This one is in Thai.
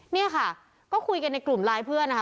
เนี่ยค่ะก็คุยกันในกลุ่มไลน์เพื่อนนะคะ